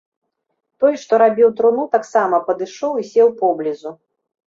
Той, што рабіў труну, таксама падышоў і сеў поблізу.